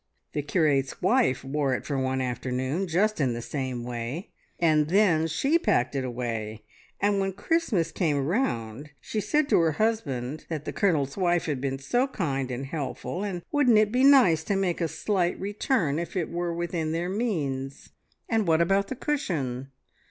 The curate's wife wore it for one afternoon, just in the same way, and then she packed it away, and when Christmas came round she said to her husband that the Colonel's wife had been so kind and helpful, and wouldn't it be nice to make a slight return if it were within their means, and what about the cushion?